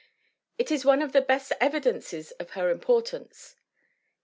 It is one of the best evi dences of her importance.